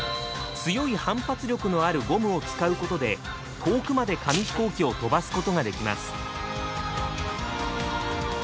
強い反発力のあるゴムを使うことで遠くまで紙飛行機を飛ばすことができます。